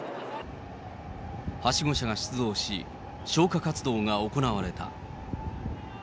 はしご車が出動し、消火活動が行われた。